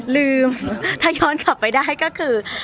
ลืมถ้าย้อนกลับไปได้ก็คือ